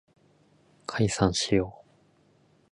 解散しよう